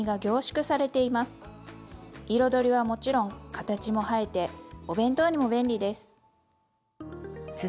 彩りはもちろん形も映えてお弁当にも便利です！